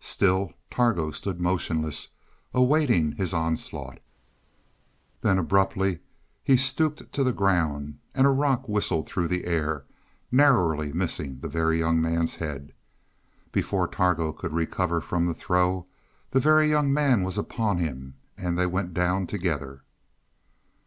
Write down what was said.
Still Targo stood motionless, awaiting his onslaught. Then abruptly he stooped to the ground, and a rock whistled through the air, narrowly missing the Very Young Man's head. Before Targo could recover from the throw the Very Young Man was upon him, and they went down together.